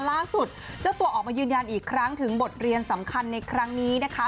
ล่าสุดเจ้าตัวออกมายืนยันอีกครั้งถึงบทเรียนสำคัญในครั้งนี้นะคะ